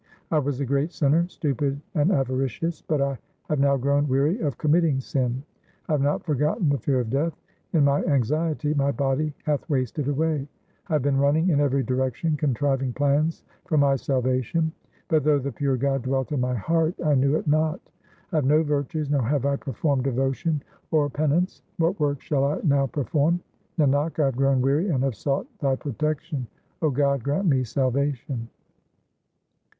1 was a great sinner, stupid and avaricious, but I have now grown weary of committing sin. I have not forgotten the fear of Death ; in my anxiety my body hath wasted away, I have been running in every direction contriving plans for my salvation ; But though the pure God dwelt in my heart, I knew it not. I have no virtues nor have I performed devotion or pen ance : what work shall I now perform ? Nanak, I have grown weary and have sought Thy pro tection ; 0 God, grant me salvation.